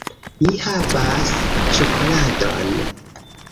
"Mi havas ĉokoladon!"